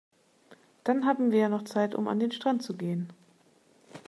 Dann haben wir ja noch Zeit, um an den Strand zu gehen.